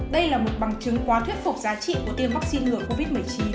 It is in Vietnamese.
đây là một bằng chứng quá thuyết phục giá trị của tiêm vaccine ngừa covid một mươi chín